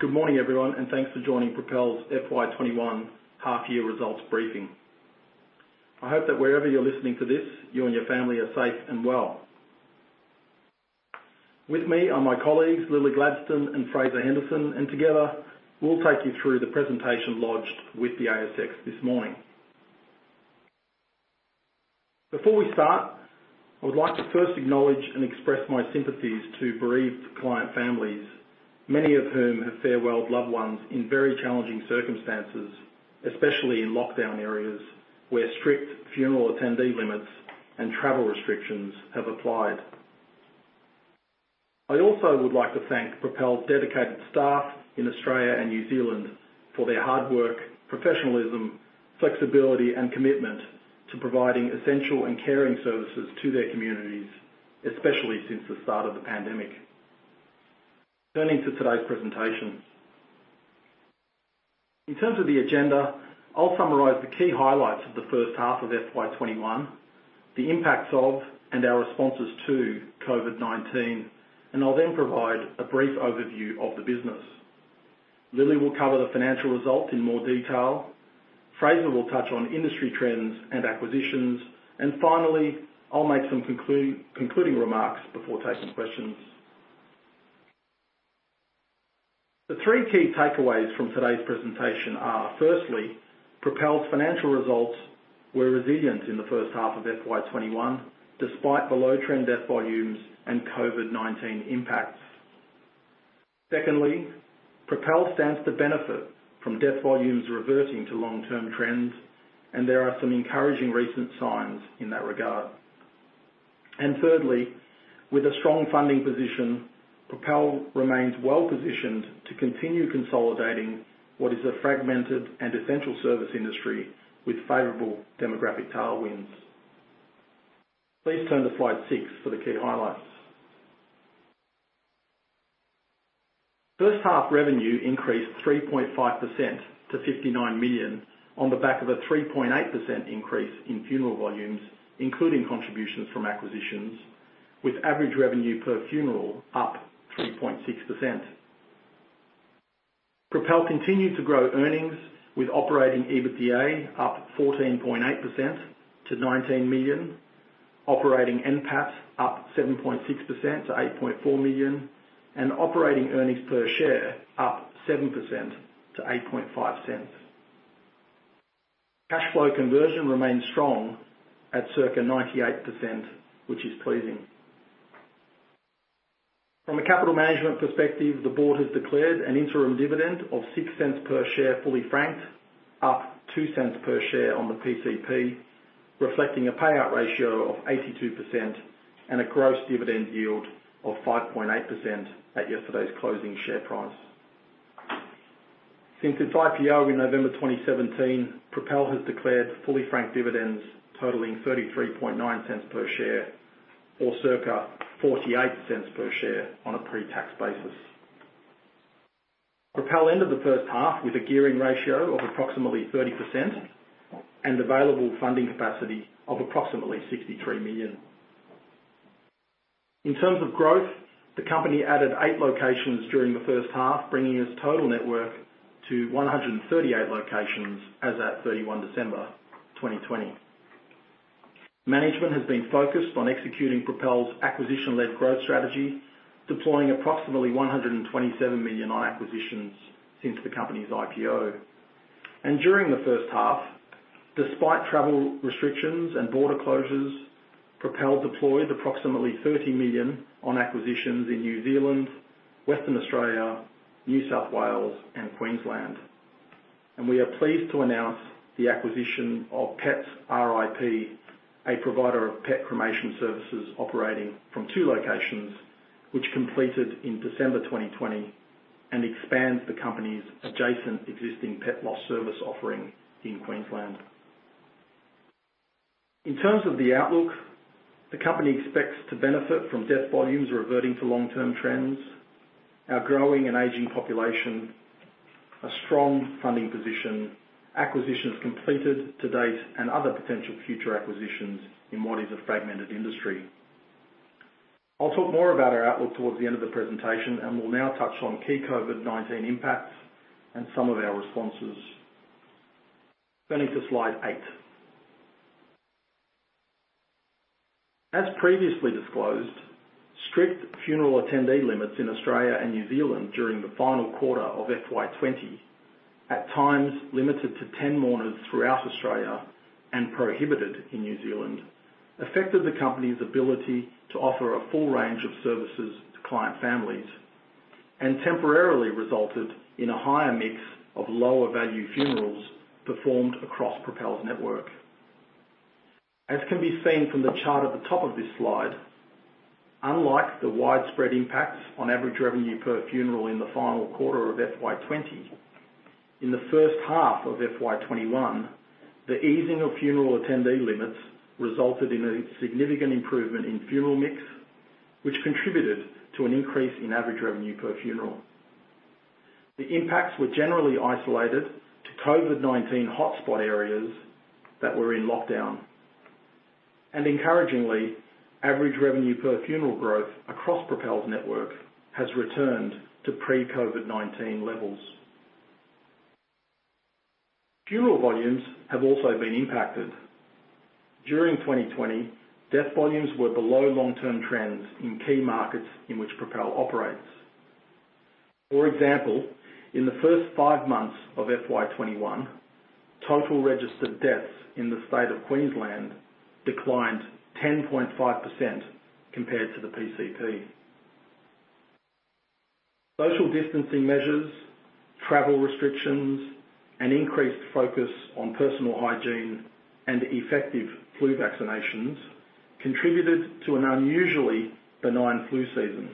Good morning, everyone, thanks for joining Propel's FY 2021 half-year results briefing. I hope that wherever you're listening to this, you and your family are safe and well. With me are my colleagues, Lilli Rayner and Fraser Henderson, and together, we'll take you through the presentation lodged with the ASX this morning. Before we start, I would like to first acknowledge and express my sympathies to bereaved client families, many of whom have farewelled loved ones in very challenging circumstances, especially in lockdown areas where strict funeral attendee limits and travel restrictions have applied. I also would like to thank Propel's dedicated staff in Australia and New Zealand for their hard work, professionalism, flexibility, and commitment to providing essential and caring services to their communities, especially since the start of the pandemic. Turning to today's presentation. In terms of the agenda, I'll summarize the key highlights of the first half of FY 2021, the impacts of and our responses to COVID-19, and I'll then provide a brief overview of the business. Lilli will cover the financial results in more detail. Fraser will touch on industry trends and acquisitions. Finally, I'll make some concluding remarks before taking questions. The three key takeaways from today's presentation are, firstly, Propel's financial results were resilient in the first half of FY 2021, despite the low-trend death volumes and COVID-19 impacts. Secondly, Propel stands to benefit from death volumes reverting to long-term trends, and there are some encouraging recent signs in that regard. Thirdly, with a strong funding position, Propel remains well-positioned to continue consolidating what is a fragmented and essential service industry with favorable demographic tailwinds. Please turn to slide six for the key highlights. First-half revenue increased 3.5% to 59 million on the back of a 3.8% increase in funeral volumes, including contributions from acquisitions, with average revenue per funeral up 3.6%. Propel continued to grow earnings, with operating EBITDA up 14.8% to 19 million, operating NPAT up 7.6% to 8.4 million, and operating earnings per share up 7% to 0.085. Cash flow conversion remains strong at circa 98%, which is pleasing. From a capital management perspective, the board has declared an interim dividend of 0.06 per share fully franked, up 0.02 per share on the PCP, reflecting a payout ratio of 82% and a gross dividend yield of 5.8% at yesterday's closing share price. Since its IPO in November 2017, Propel has declared fully franked dividends totaling 0.339 per share or circa 0.48 per share on a pre-tax basis. Propel ended the first half with a gearing ratio of approximately 30% and available funding capacity of approximately 63 million. In terms of growth, the company added 8 locations during the first half, bringing its total network to 138 locations as at 31 December 2020. Management has been focused on executing Propel's acquisition-led growth strategy, deploying approximately 127 million on acquisitions since the company's IPO. During the first half, despite travel restrictions and border closures, Propel deployed approximately 30 million on acquisitions in New Zealand, Western Australia, New South Wales, and Queensland. We are pleased to announce the acquisition of Pets R.I.P., a provider of pet cremation services operating from two locations, which completed in December 2020 and expands the company's adjacent existing pet loss service offering in Queensland. In terms of the outlook, the company expects to benefit from death volumes reverting to long-term trends, our growing and aging population, a strong funding position, acquisitions completed to date, and other potential future acquisitions in what is a fragmented industry. I'll talk more about our outlook towards the end of the presentation, and we'll now touch on key COVID-19 impacts and some of our responses. Turning to slide eight. As previously disclosed, strict funeral attendee limits in Australia and New Zealand during the final quarter of FY 2020, at times limited to 10 mourners throughout Australia and prohibited in New Zealand, affected the company's ability to offer a full range of services to client families and temporarily resulted in a higher mix of lower value funerals performed across Propel's network. As can be seen from the chart at the top of this slide, unlike the widespread impacts on average revenue per funeral in the final quarter of FY 2020, in the first half of FY 2021, the easing of funeral attendee limits resulted in a significant improvement in funeral mix, which contributed to an increase in average revenue per funeral. The impacts were generally isolated to COVID-19 hotspot areas that were in lockdown. Encouragingly, average revenue per funeral growth across Propel's network has returned to pre-COVID-19 levels. Funeral volumes have also been impacted. During 2020, death volumes were below long-term trends in key markets in which Propel operates. For example, in the first five months of FY 2021, total registered deaths in the state of Queensland declined 10.5% compared to the PCP. Social distancing measures, travel restrictions, and increased focus on personal hygiene and effective flu vaccinations contributed to an unusually benign flu season.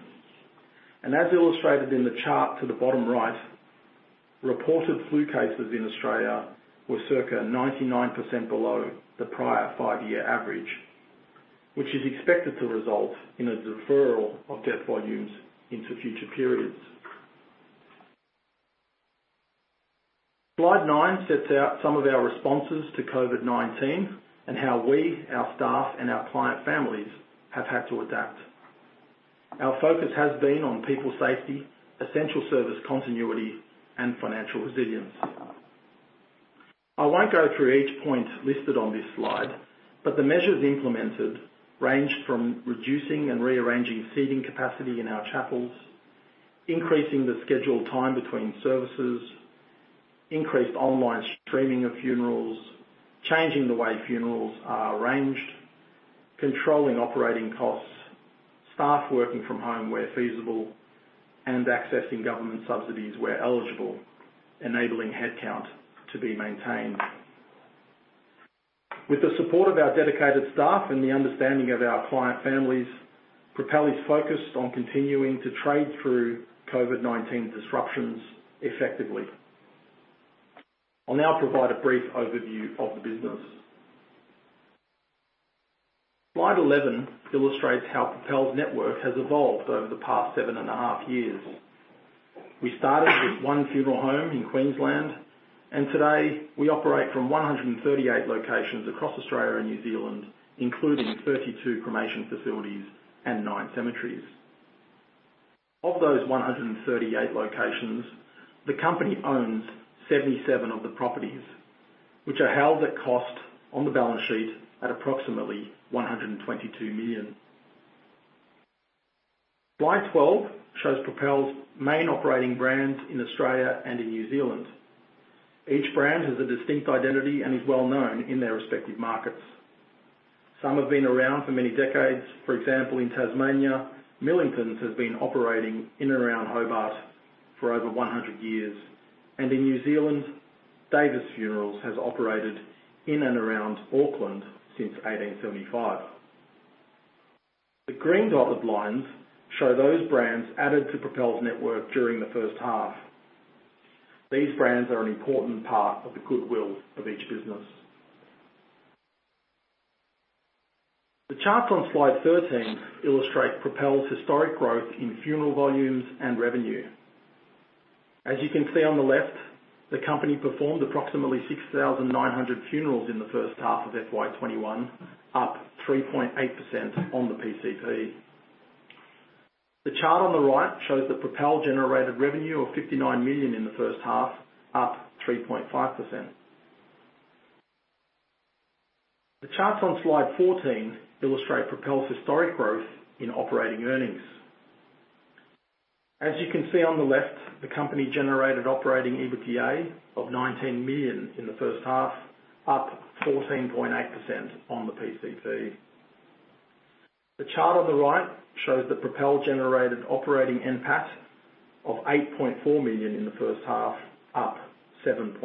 As illustrated in the chart to the bottom right, reported flu cases in Australia were circa 99% below the prior five-year average, which is expected to result in a deferral of death volumes into future periods. Slide nine sets out some of our responses to COVID-19 and how we, our staff, and our client families have had to adapt. Our focus has been on people safety, essential service continuity, and financial resilience. I won't go through each point listed on this slide, The measures implemented ranged from reducing and rearranging seating capacity in our chapels, increasing the scheduled time between services, increased online streaming of funerals, changing the way funerals are arranged, controlling operating costs, staff working from home where feasible, and accessing government subsidies where eligible, enabling headcount to be maintained. With the support of our dedicated staff and the understanding of our client families, Propel is focused on continuing to trade through COVID-19 disruptions effectively. I'll now provide a brief overview of the business. Slide 11 illustrates how Propel's network has evolved over the past seven and a half years. We started with one funeral home in Queensland, Today we operate from 138 locations across Australia and New Zealand, including 32 cremation facilities and nine cemeteries. Of those 138 locations, the company owns 77 of the properties, which are held at cost on the balance sheet at approximately 122 million. Slide 12 shows Propel's main operating brands in Australia and in New Zealand. Each brand has a distinct identity and is well-known in their respective markets. Some have been around for many decades. For example, in Tasmania, Millingtons has been operating in and around Hobart for over 100 years. In New Zealand, Davis Funerals has operated in and around Auckland since 1875. The green-dotted lines show those brands added to Propel's network during the first half. These brands are an important part of the goodwill of each business. The charts on slide 13 illustrate Propel's historic growth in funeral volumes and revenue. As you can see on the left, the company performed approximately 6,900 funerals in the first half of FY 2021, up 3.8% on the PCP. The chart on the right shows that Propel generated revenue of 59 million in the first half, up 3.5%. The charts on slide 14 illustrate Propel's historic growth in operating earnings. As you can see on the left, the company generated operating EBITDA of 19 million in the first half, up 14.8% on the PCP. The chart on the right shows that Propel generated operating NPAT of 8.4 million in the first half, up 7.6%.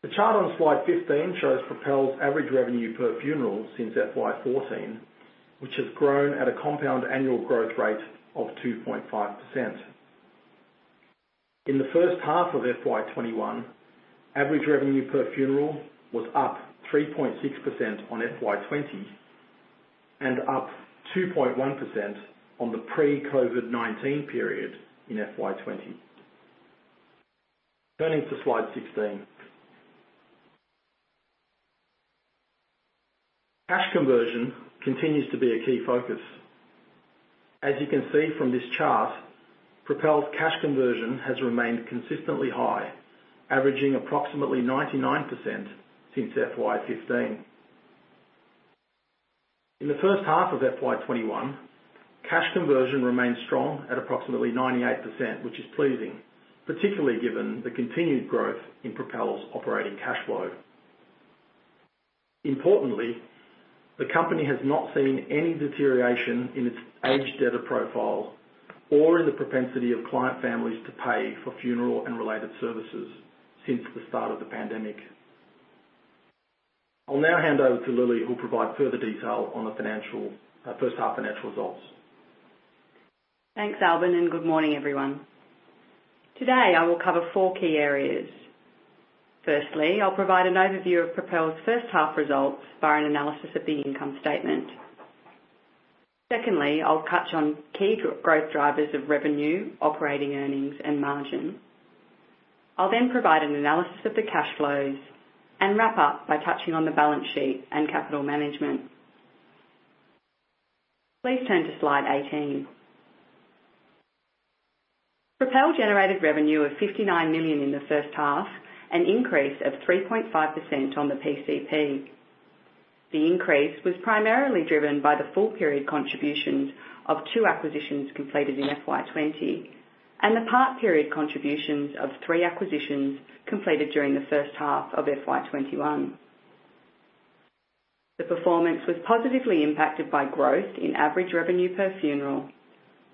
The chart on slide 15 shows Propel's average revenue per funeral since FY 2014, which has grown at a compound annual growth rate of 2.5%. In the first half of FY 2021, average revenue per funeral was up 3.6% on FY 2020 and up 2.1% on the pre-COVID-19 period in FY 2020. Turning to slide 16. Cash conversion continues to be a key focus. As you can see from this chart, Propel's cash conversion has remained consistently high, averaging approximately 99% since FY 2015. In the first half of FY 2021, cash conversion remained strong at approximately 98%, which is pleasing, particularly given the continued growth in Propel's operating cash flow. Importantly, the company has not seen any deterioration in its age debtor profile or in the propensity of client families to pay for funeral and related services since the start of the pandemic. I'll now hand over to Lilli, who'll provide further detail on the first half financial results. Thanks, Albin, and good morning, everyone. Today, I will cover four key areas. Firstly, I'll provide an overview of Propel's first half results by an analysis of the income statement. Secondly, I'll touch on key growth drivers of revenue, operating earnings, and margin. I'll then provide an analysis of the cash flows and wrap up by touching on the balance sheet and capital management. Please turn to slide 18. Propel generated revenue of 59 million in the first half, an increase of 3.5% on the PCP. The increase was primarily driven by the full-period contributions of two acquisitions completed in FY 2020, and the part-period contributions of three acquisitions completed during the first half of FY 2021. The performance was positively impacted by growth in average revenue per funeral,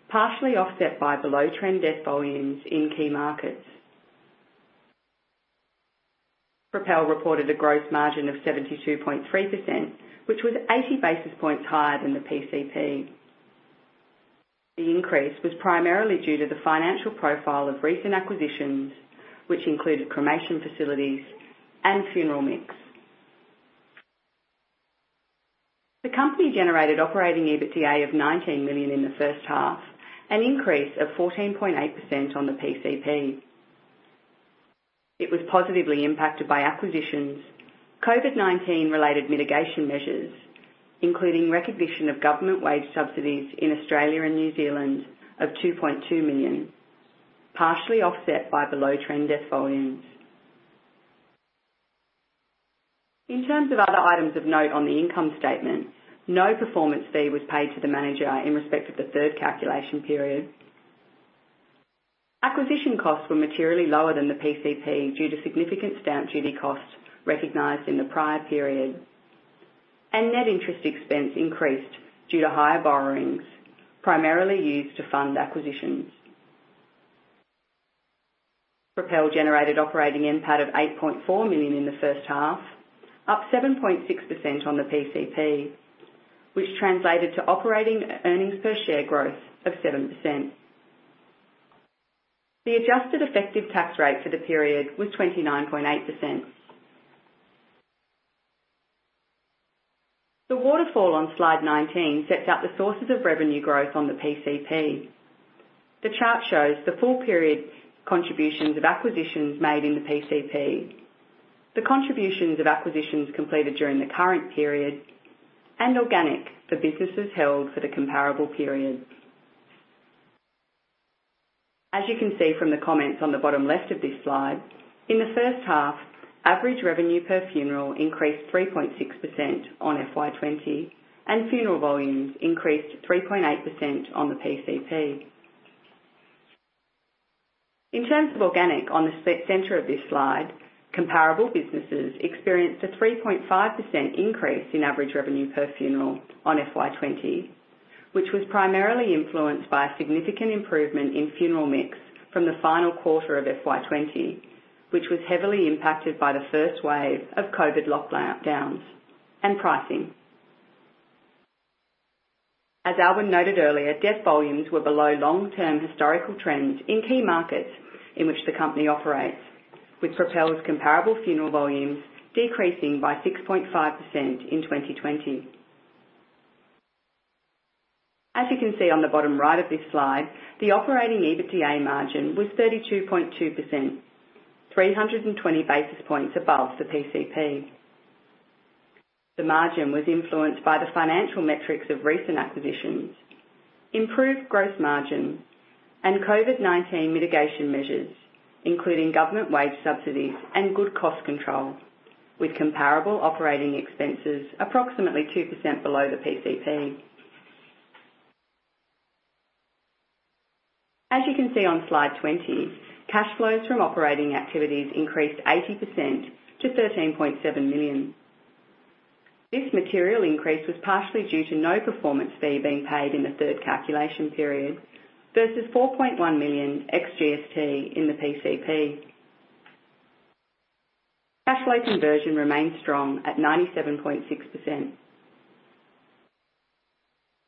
partially offset by below-trend death volumes in key markets. Propel reported a gross margin of 72.3%, which was 80 basis points higher than the PCP. The increase was primarily due to the financial profile of recent acquisitions, which included cremation facilities and funeral mix. The company generated operating EBITDA of 19 million in the first half, an increase of 14.8% on the PCP. It was positively impacted by acquisitions, COVID-19 related mitigation measures, including recognition of government wage subsidies in Australia and New Zealand of 2.2 million, partially offset by below-trend death volumes. In terms of other items of note on the income statement, no performance fee was paid to the manager in respect of the third calculation period. Acquisition costs were materially lower than the PCP due to significant stamp duty costs recognized in the prior period. Net interest expense increased due to higher borrowings, primarily used to fund acquisitions. Propel generated operating NPAT of 8.4 million in the first half, up 7.6% on the PCP, which translated to operating earnings per share growth of 7%. The adjusted effective tax rate for the period was 29.8%. The waterfall on slide 19 sets out the sources of revenue growth on the PCP. The chart shows the full-period contributions of acquisitions made in the PCP, the contributions of acquisitions completed during the current period, and organic for businesses held for the comparable period. As you can see from the comments on the bottom left of this slide, in the first half, average revenue per funeral increased 3.6% on FY 2020, and funeral volumes increased 3.8% on the PCP. In terms of organic on the center of this slide, comparable businesses experienced a 3.5% increase in average revenue per funeral on FY 2020, which was primarily influenced by a significant improvement in funeral mix from the final quarter of FY 2020, which was heavily impacted by the first wave of COVID lockdowns and pricing. As Albin noted earlier, death volumes were below long-term historical trends in key markets in which the company operates, with Propel's comparable funeral volumes decreasing by 6.5% in 2020. As you can see on the bottom right of this slide, the operating EBITDA margin was 32.2%, 320 basis points above the PCP. The margin was influenced by the financial metrics of recent acquisitions, improved gross margin, and COVID-19 mitigation measures, including government wage subsidies and good cost control, with comparable operating expenses approximately 2% below the PCP. As you can see on slide 20, cash flows from operating activities increased 80% to 13.7 million. This material increase was partially due to no performance fee being paid in the third calculation period versus 4.1 million ex GST in the PCP. Cash flow conversion remains strong at 97.6%.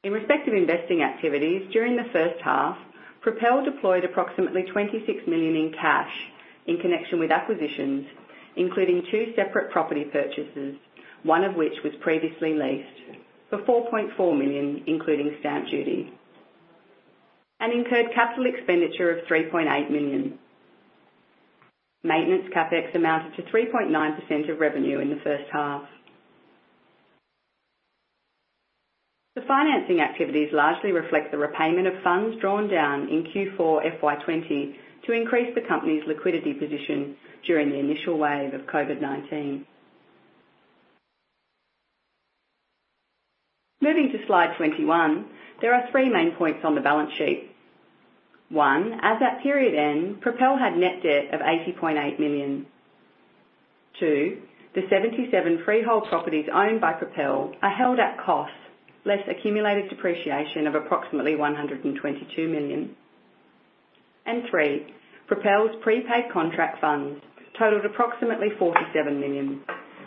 In respect of investing activities during the first half, Propel deployed approximately 26 million in cash in connection with acquisitions, including two separate property purchases, one of which was previously leased, for 4.4 million, including stamp duty, and incurred capital expenditure of 3.8 million. Maintenance CapEx amounted to 3.9% of revenue in the first half. The financing activities largely reflect the repayment of funds drawn down in Q4 FY 2020 to increase the company's liquidity position during the initial wave of COVID-19. Moving to slide 21, there are three main points on the balance sheet. 1, as at period end, Propel had net debt of 80.8 million. 2, the 77 freehold properties owned by Propel are held at cost, less accumulated depreciation of approximately 122 million. 3, Propel's prepaid contract funds totaled approximately 47 million,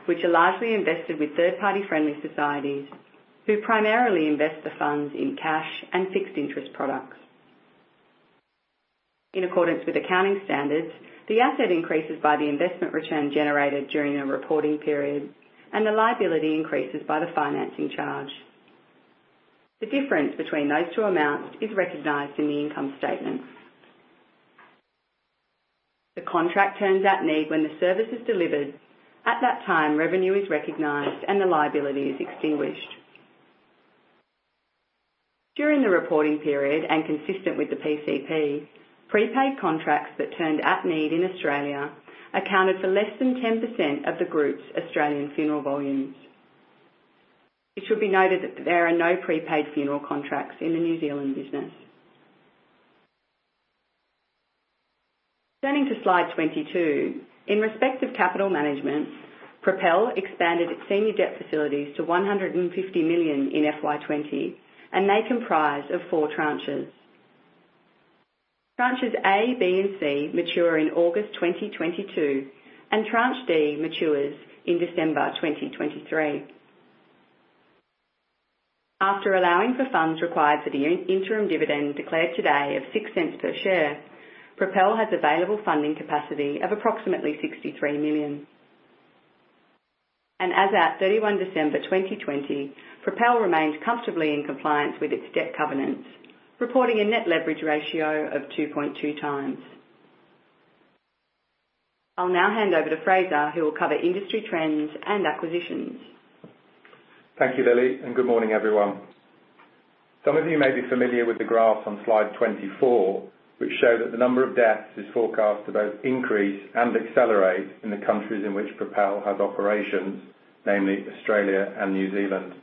which are largely invested with third-party friendly societies, who primarily invest the funds in cash and fixed interest products. In accordance with accounting standards, the asset increases by the investment return generated during the reporting period, and the liability increases by the financing charge. The difference between those two amounts is recognized in the income statement. The contract turns at need when the service is delivered. At that time, revenue is recognized, and the liability is extinguished. During the reporting period and consistent with the PCP, prepaid contracts that turned at need in Australia accounted for less than 10% of the group's Australian funeral volumes. It should be noted that there are no prepaid funeral contracts in the New Zealand business. Turning to slide 22, in respect of capital management, Propel expanded its senior debt facilities to 150 million in FY 2020. They comprise of four tranches. Tranches A, B, and C mature in August 2022. Tranche D matures in December 2023. After allowing for funds required for the interim dividend declared today of 0.06 per share, Propel has available funding capacity of approximately 63 million. As at 31 December 2020, Propel remains comfortably in compliance with its debt covenants, reporting a net leverage ratio of 2.2 times. I will now hand over to Fraser, who will cover industry trends and acquisitions. Thank you, Lilli, and good morning, everyone. Some of you may be familiar with the graph on slide 24, which shows that the number of deaths is forecast to both increase and accelerate in the countries in which Propel has operations, namely Australia and New Zealand.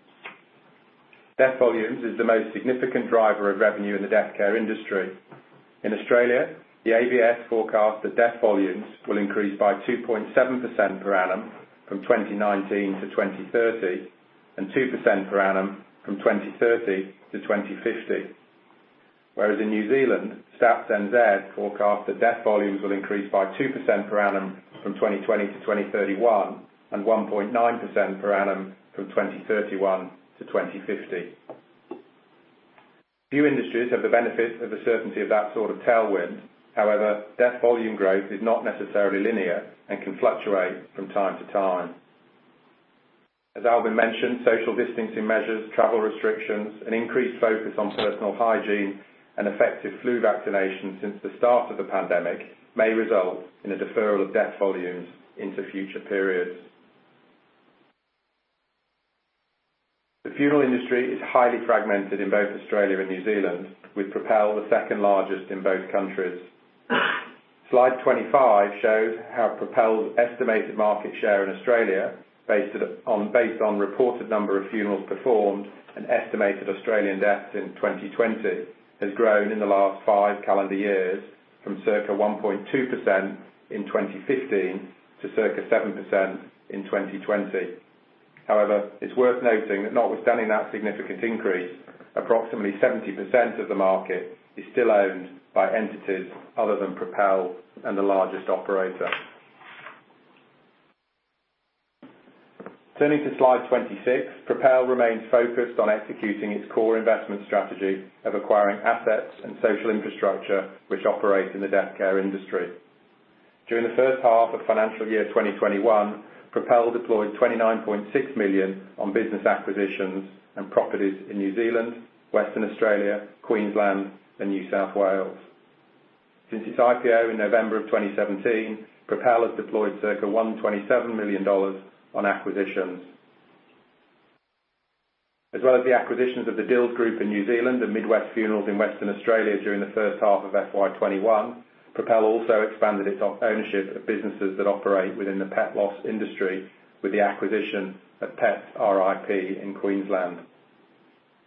Death volumes is the most significant driver of revenue in the death care industry. In Australia, the ABS forecasts that death volumes will increase by 2.7% per annum from 2019 to 2030 and 2% per annum from 2030 to 2050. Whereas in New Zealand, Stats NZ forecasts that death volumes will increase by 2% per annum from 2020 to 2031 and 1.9% per annum from 2031 to 2050. Few industries have the benefit of the certainty of that sort of tailwind. However, death volume growth is not necessarily linear and can fluctuate from time to time. As Albin mentioned, social distancing measures, travel restrictions, an increased focus on personal hygiene, and effective flu vaccination since the start of the pandemic may result in a deferral of death volumes into future periods. The funeral industry is highly fragmented in both Australia and New Zealand, with Propel the second largest in both countries. Slide 25 shows how Propel's estimated market share in Australia based on reported number of funerals performed and estimated Australian deaths in 2020, has grown in the last five calendar years from circa 1.2% in 2015 to circa 7% in 2020. However, it's worth noting that notwithstanding that significant increase, approximately 70% of the market is still owned by entities other than Propel and the largest operator. Turning to slide 26, Propel remains focused on executing its core investment strategy of acquiring assets and social infrastructure which operate in the death care industry. During the first half of financial year 2021, Propel deployed 29.6 million on business acquisitions and properties in New Zealand, Western Australia, Queensland, and New South Wales. Since its IPO in November 2017, Propel has deployed circa 127 million dollars on acquisitions. As well as the acquisitions of the Dil's Funeral Services in New Zealand and Mid West Funerals in Western Australia during the first half of FY 2021, Propel also expanded its ownership of businesses that operate within the pet loss industry with the acquisition of Pets R.I.P. in Queensland.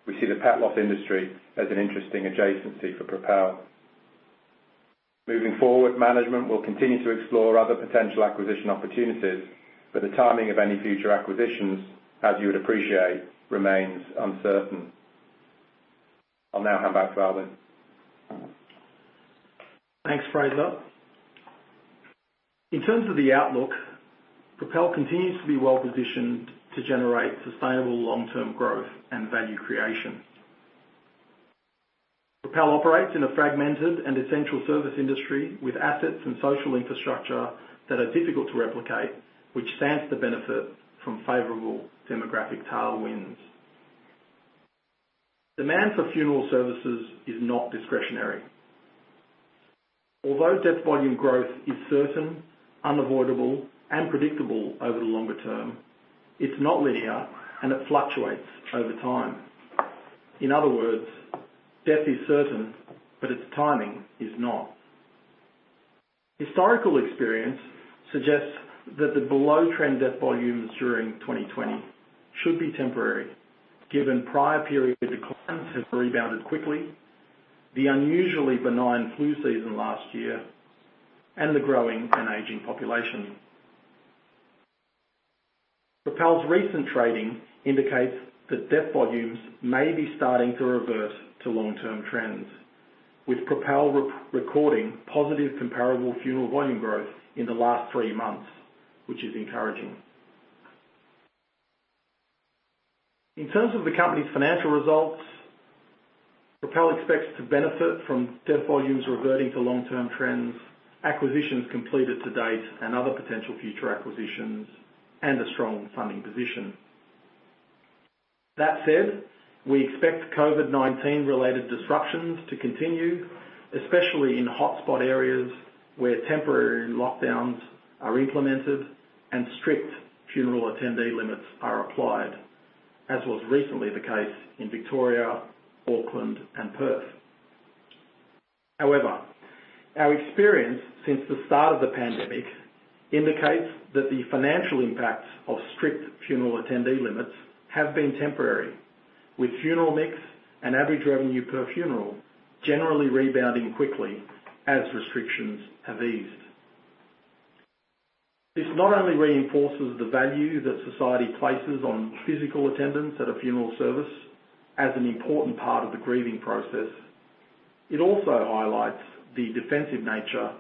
We see the pet loss industry as an interesting adjacency for Propel. Moving forward, management will continue to explore other potential acquisition opportunities, but the timing of any future acquisitions, as you would appreciate, remains uncertain. I'll now hand back to Albin. Thanks, Fraser. In terms of the outlook, Propel continues to be well-positioned to generate sustainable long-term growth and value creation. Propel operates in a fragmented and essential service industry with assets and social infrastructure that are difficult to replicate, which stands to benefit from favorable demographic tailwinds. Demand for funeral services is not discretionary. Although death volume growth is certain, unavoidable, and predictable over the longer term, it's not linear, and it fluctuates over time. In other words, death is certain, but its timing is not. Historical experience suggests that the below-trend death volumes during 2020 should be temporary, given prior period declines have rebounded quickly, the unusually benign flu season last year, and the growing and aging population. Propel's recent trading indicates that death volumes may be starting to revert to long-term trends, with Propel recording positive comparable funeral volume growth in the last three months, which is encouraging. In terms of the company's financial results, Propel expects to benefit from death volumes reverting to long-term trends, acquisitions completed to date, and other potential future acquisitions, and a strong funding position. That said, we expect COVID-19-related disruptions to continue, especially in hotspot areas where temporary lockdowns are implemented and strict funeral attendee limits are applied, as was recently the case in Victoria, Auckland, and Perth. However, our experience since the start of the pandemic indicates that the financial impacts of strict funeral attendee limits have been temporary, with funeral mix and average revenue per funeral generally rebounding quickly as restrictions have eased. This not only reinforces the value that society places on physical attendance at a funeral service as an important part of the grieving process, it also highlights the defensive nature,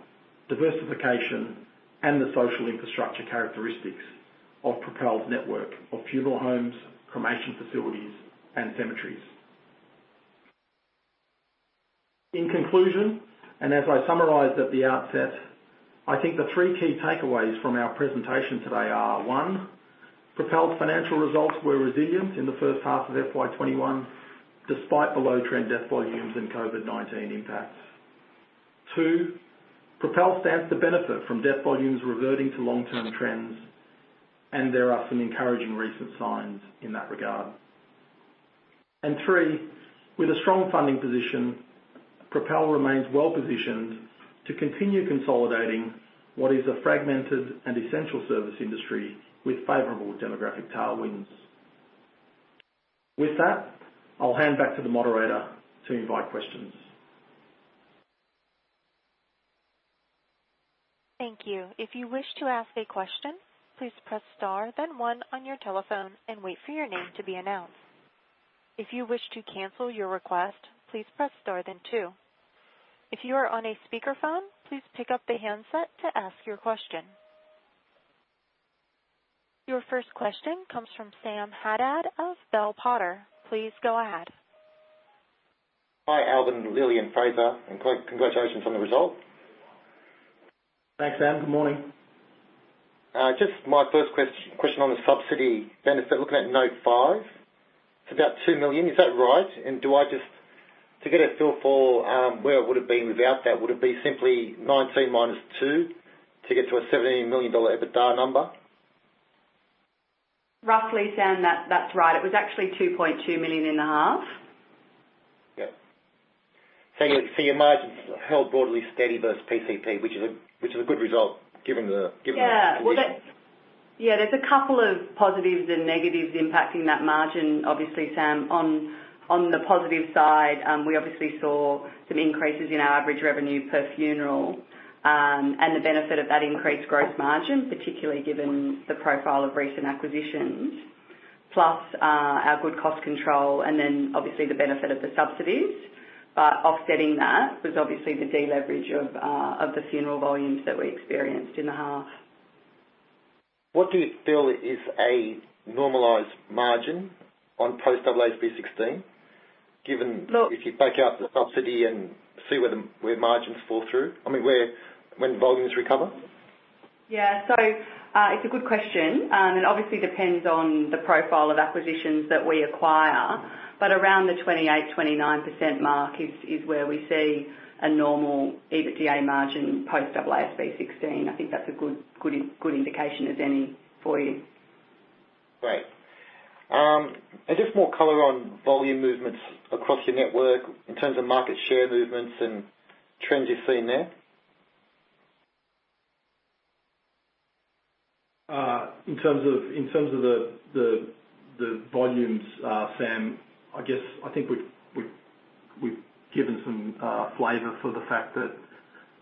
diversification, and the social infrastructure characteristics of Propel's network of funeral homes, cremation facilities, and cemeteries. In conclusion, and as I summarized at the outset, I think the three key takeaways from our presentation today are, one, Propel's financial results were resilient in the first half of FY 2021, despite below-trend death volumes and COVID-19 impacts. Two, Propel stands to benefit from death volumes reverting to long-term trends, and there are some encouraging recent signs in that regard. Three, with a strong funding position, Propel remains well-positioned to continue consolidating what is a fragmented and essential service industry with favorable demographic tailwinds. With that, I'll hand back to the moderator to invite questions. Thank you. If you wish to ask a question, please press star then one on your telephone and wait for your name to be announced. If you wish to cancel your request, please press star then two. If you are on a speakerphone, please pick up the handset to ask your question. Your first question comes from Sam Haddad of Bell Potter. Please go ahead. Hi, Albin, Lilli, and Fraser. Congratulations on the result. Thanks, Sam. Good morning. My first question on the subsidy benefit, looking at note five, it's about 2 million, is that right? To get a feel for where it would've been without that, would it be simply 19 minus two to get to an 17 million dollar EBITDA number? Roughly, Sam, that's right. It was actually 2.2 million in the half. Yeah. Your margins held broadly steady versus PCP, which is a good result given the. Yeah. -situation. Yeah, there's a couple of positives and negatives impacting that margin, obviously, Sam. On the positive side, we obviously saw some increases in our average revenue per funeral, and the benefit of that increased gross margin, particularly given the profile of recent acquisitions, plus our good cost control, and then obviously the benefit of the subsidies. Offsetting that was obviously the de-leverage of the funeral volumes that we experienced in the half. What do you feel is a normalized margin on post AASB 16, given? Look- if you back out the subsidy and see where margins fall through, I mean, when volumes recover? Yeah. It's a good question. It obviously depends on the profile of acquisitions that we acquire. Around the 28%, 29% mark is where we see a normal EBITDA margin post AASB 16. I think that's a good indication, if any, for you. Great. Just more color on volume movements across your network in terms of market share movements and trends you're seeing there. In terms of the volumes, Sam, I think we've given some flavor for the fact that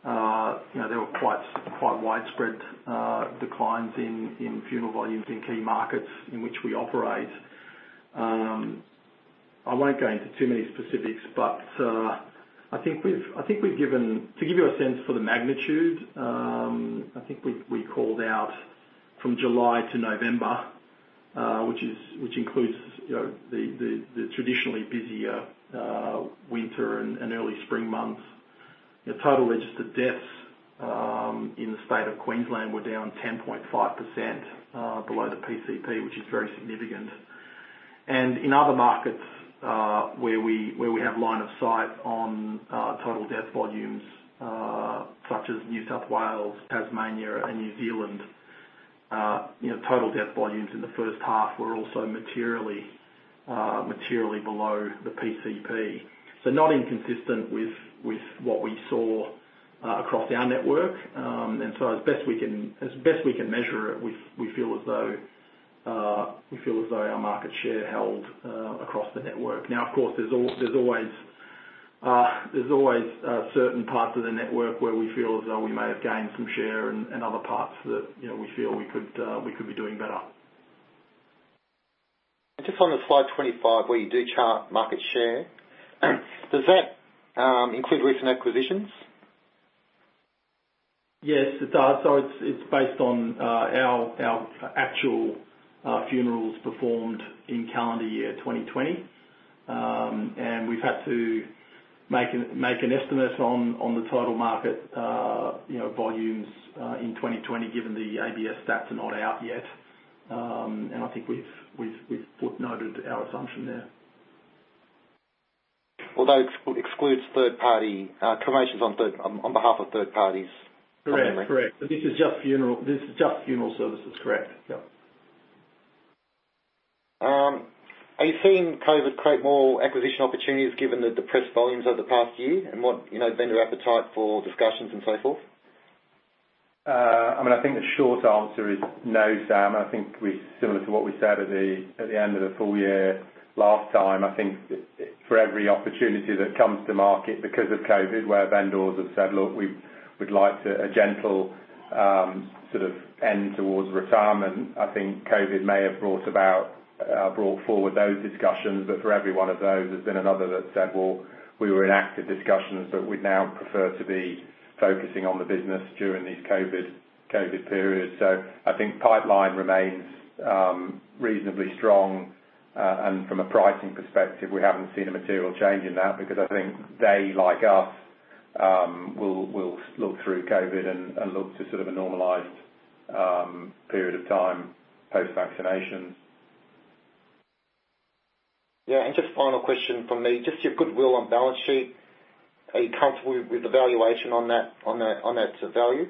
there were quite widespread declines in funeral volumes in key markets in which we operate. I won't go into too many specifics, but to give you a sense for the magnitude, I think we called out from July to November, which includes the traditionally busier winter and early spring months. The total registered deaths in the state of Queensland were down 10.5% below the PCP, which is very significant. In other markets where we have line of sight on total death volumes such as New South Wales, Tasmania, and New Zealand, total death volumes in the first half were also materially below the PCP. Not inconsistent with what we saw across our network. As best we can measure it, we feel as though our market share held across the network. Now, of course, there's always certain parts of the network where we feel as though we may have gained some share and other parts that we feel we could be doing better. Just on the slide 25, where you do chart market share, does that include recent acquisitions? Yes, it does. It's based on our actual funerals performed in calendar year 2020. We've had to make an estimate on the total market volumes in 2020, given the ABS stats are not out yet. I think we've footnoted our assumption there. It excludes cremations on behalf of third parties. Correct. This is just funeral services, correct? Yep. Are you seeing COVID create more acquisition opportunities given the depressed volumes over the past year? What has been your appetite for discussions and so forth? I think the short answer is no, Sam. I think similar to what we said at the end of the full year last time, I think for every opportunity that comes to market because of COVID, where vendors have said, "Look, we would like a gentle end towards retirement," I think COVID may have brought forward those discussions. For every one of those, there's been another that said, "Well, we were in active discussions, but we'd now prefer to be focusing on the business during these COVID periods." I think the pipeline remains reasonably strong. From a pricing perspective, we haven't seen a material change in that because I think they, like us, will look through COVID and look to a normalized period of time post-vaccination. Yeah. Just a final question from me, just your goodwill on the balance sheet, are you comfortable with the valuation on that value?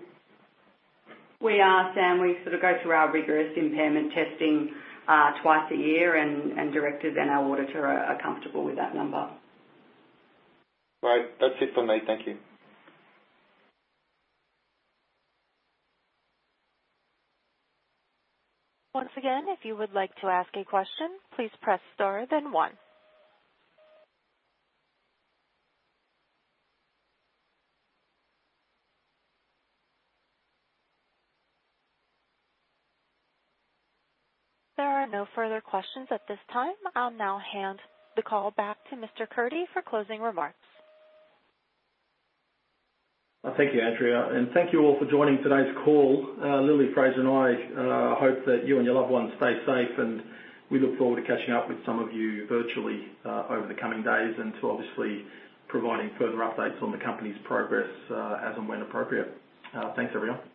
We are, Sam. We go through our rigorous impairment testing twice a year, and directors and our auditor are comfortable with that number. Great. That's it from me. Thank you. Once again, if you would like to ask a question, please press star then one. There are no further questions at this time. I'll now hand the call back to Mr. Kurti for closing remarks. Thank you, Andrea. Thank you all for joining today's call. Lilli, Fraser, and I hope that you and your loved ones stay safe, and we look forward to catching up with some of you virtually over the coming days and to obviously providing further updates on the company's progress as and when appropriate. Thanks, everyone.